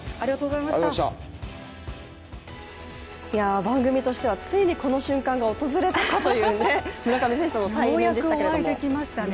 番組としてはついにこの瞬間が訪れたかという村上選手との対面でしたけれども。